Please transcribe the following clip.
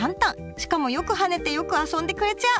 しかもよく跳ねてよく遊んでくれちゃう！